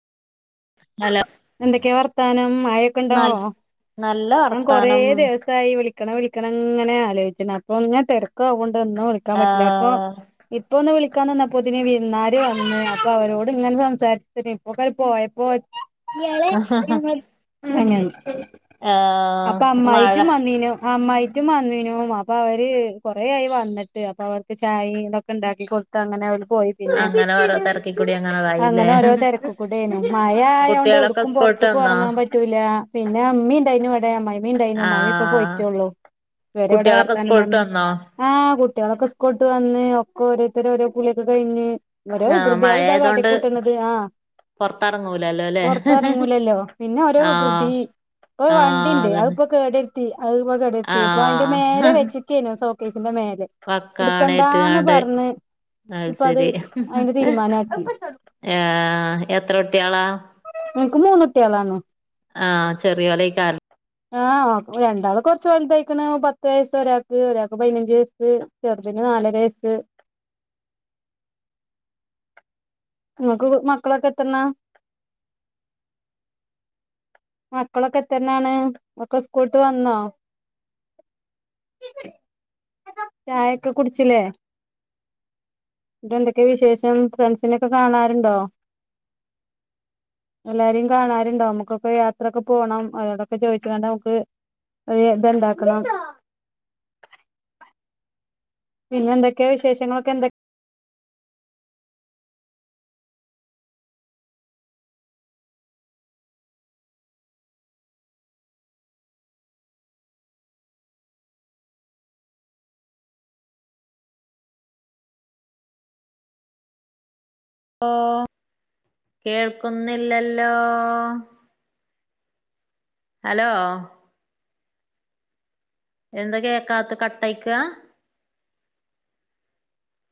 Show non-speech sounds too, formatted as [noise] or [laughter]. hello എന്തൊക്കെയാ വർത്താനം മഴയൊക്കെ നൽ ഉണ്ടാവോ നല്ല ഞാൻ കൊറേ വർത്താനം ദിവസ് സായി വിളിക്കണം വിളിക്കണങ്ങനെ ആലോയ്ക്ണ് അപ്പൊ ഇങ്ങനെ തിരക്കാവോണ്ട് ഒന്നും വിളിക്കാൻ പറ്റില്ല അപ്പൊ ആഹ് ഇപ്പൊ ഒന്ന് വിളിക്കാ നിന്നപ്പോത്തിന് വിരുന്നാര് വന്ന് അപ്പൊ അവരോട് ഇങ്ങനെ സംസാരി [unintelligible] പോയപ്പോ ആഹ് അപ്പൊ മഴ അമ്മായിട്ടും വന്നീനോ അമ്മായിട്ടും വന്നീനും അപ്പൊ അവര് കൊറെ ആയി വന്നിട്ട് അപ്പൊ അവർക്ക് ചായ ഇതൊക്കെ ഉണ്ടാക്കി കൊടു ത്തങ്ങനെ ഓല് പോയി പിന്നെ അങ്ങനെ ഓരോ തെരക്കിക്കൂടി അങ്ങനെതായില്ലേ അങ്ങനെ ഓരോ തിരക്കുകൂടായിരിന്നു മഴ ആയോ കുട്ടികളൊക്കെ ക്കും സ്കൂൾട്ട് പൊർത്ക്കും വന്നോ ഇറങ്ങാൻ പറ്റൂല്ല പിന്നെ അമ്മി ണ്ടായിഞു വടെ അമ്മായിയമ്മ ണ്ടായിരുന്നു അമ്മായിയമ്മ ഇപ്പൊ ആഹ് പോയിറ്റൊള്ളു ഇവര് വിടെ കുട്ടികളൊക്കെ വർത്താനും സ്കൂൾട്ട് പറഞ്ഞു വന്നോ ആഹ് കുട്ടികളൊക്കെ സ്കൂട്ട് വന്ന് ഒക്കെ ഓരോത്തര ഓരോ കുളിയൊക്കെ കഴിഞ്ഞ് ഓരോ ആഹ് വികൃതിയേള്താ കാട്ടി കൂട്ടുന്നത് ആഹ് പൊറത്ത് എറങ്ങുല്ലല്ലോ പൊറത്ത് എറങ്ങൂലല്ലോ പിന്നെ ഓരോ ധൃതി ഇപ്പൊ ആഹ് വണ്ടിണ്ട് അതന്നെ അതിപ്പോ- കേടത്തി അത് കേടത്തി അപ്പൊ അതിന്റെ മേലെ ആഹ് വെച്ചിരിക്കുവായിരുന്നു സോക്കേഷിന്റെ മേലെ എടുക്കണ്ടാന്ന് വക്കാണേറ്റ്ങ്ങാണ്ട് പറഞ്ഞ് ഇപ്പ അത് അതിന്റെ തീരുമാനം ആക്കി ഏഹ് എത്ര കുട്ടികളാ നിങ്ങക്ക് മൂന്ന് കുട്ടികളാണോ ആഹ് ചെറിയോലെ ഈ കാറി - ആഹ് രണ്ടാള് കൊറച്ച് വലുതായ്ക്കണ് പത്ത് വയസ് ഒരാക്ക് ഒരാക്ക് പതിനഞ്ച് വയസ്സ് ചെറുതിന് നാലര വയസ് നിങ്ങക്ക് മക്കളൊക്കെ എത്രണ്ണാ മക്കളൊക്കെ എത്രണ്ണാണ് ഒക്കെ സ്കൂളിട്ട് വന്നോ ചായ ഒക്കെ കുടിച്ചില്ലേ ഇവിടെ എന്തൊക്കെയാ വിശേഷം ഫ്രണ്ട്സിനൊക്കെ കാണാറുണ്ടോ എല്ലാരെയും കാണാറുണ്ടോ നമുക്കൊക്കെ യാത്രയൊക്കെ പോണം അതുകൊണ്ട് ഒക്കെ ചോദിച്ചതാണ് നമുക്ക്- അത് ഇത് ഇണ്ടാക്കണം പിന്നെ എന്തൊക്കെയ വിശേഷങ്ങളൊക്കെ എന്തൊ ഓഹ് കേൾക്കുന്നില്ലല്ലോ ഹലോ എന്താ കേക്കാത്തെ കട്ട് ആയെക്ക്‌ യാ